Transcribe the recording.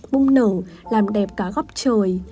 bung nổ làm đẹp cả góc trời